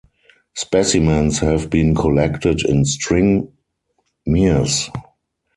Specimens have been collected in string mires.